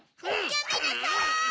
やめなさい！